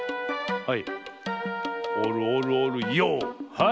はい。